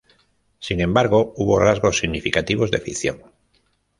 Sin embargo, hubo rasgos significativos de ficción.